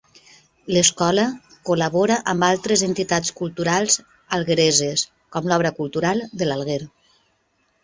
L'escola col·labora amb altres entitats culturals alguereses, com l'Obra Cultural de l'Alguer.